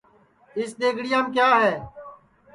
اِس دؔیگڑِیام کِیا ہے